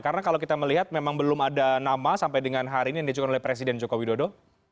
karena kalau kita melihat memang belum ada nama sampai dengan hari ini yang diajukan oleh presiden joko widodo